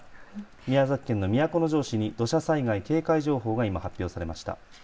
宮崎県の都城市に土砂災害警戒情報が今、発表されました。